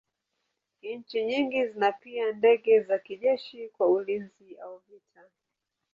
Nchi nyingi zina pia ndege za kijeshi kwa ulinzi au vita.